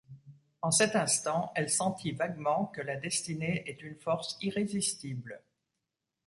En cet instant, elle sentit vaguement que la destinée est une force irrésistible.